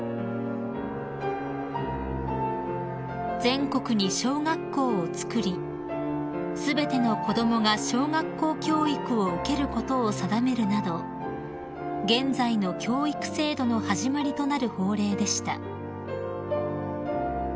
［全国に小学校をつくり全ての子供が小学校教育を受けることを定めるなど現在の教育制度の始まりとなる法令でした］